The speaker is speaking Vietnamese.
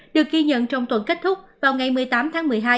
được ghi nhận trong tuần kết thúc vào ngày một mươi tám tháng một mươi hai